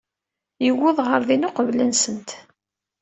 Yuweḍ ɣer din uqbel-nsent.